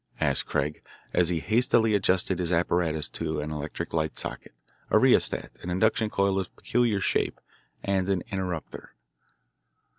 asked Craig as he hastily adjusted his apparatus to an electric light socket a rheostat, an induction coil of peculiar shape, and an "interrupter."